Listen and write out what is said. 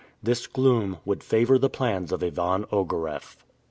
This gloom would favor the plans of Ivan Ogareff.